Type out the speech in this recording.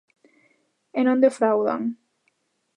E non defraudan.